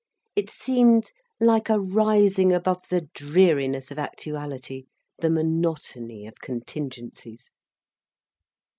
It seemed like a rising above the dreariness of actuality, the monotony of contingencies.